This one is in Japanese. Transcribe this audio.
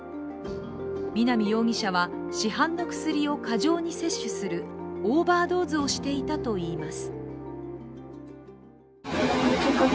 南容疑者は市販の薬を過剰に摂取するオーバードーズをしていたといいます。